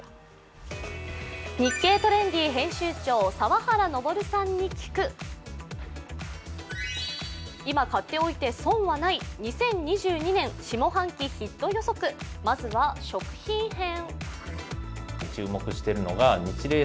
「日経トレンディ」編集長澤原昇さんに聞く今、買っておいて損はない２０２２年下半期ヒット予測、まずは食品編。